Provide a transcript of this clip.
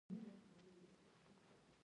زموږ لويه ناکامي زموږ بې علمي او ناپوهي ده.